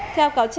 theo quốc gia